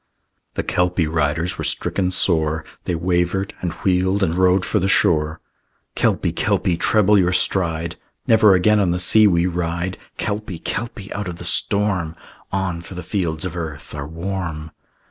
The Kelpie riders were stricken sore; They wavered, and wheeled, and rode for the shore. "Kelpie, Kelpie, treble your stride! Never again on the sea we ride. "Kelpie, Kelpie, out of the storm; On, for the fields of earth are warm!"